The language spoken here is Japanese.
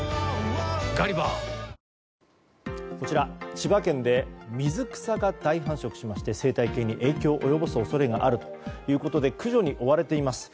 千葉県で水草が大繁殖しまして生態系に影響を及ぼす恐れがあるということで駆除に追われています。